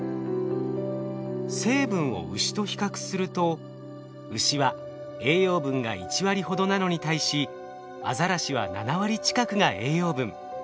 成分をウシと比較するとウシは栄養分が１割ほどなのに対しアザラシは７割近くが栄養分。